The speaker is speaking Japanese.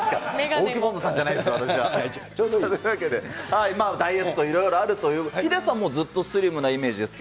大木凡人さんじゃないです、というわけで、ダイエットいろいろあるということで、ヒデさんもずっとスリムなイメージです